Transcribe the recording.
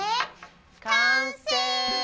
完成！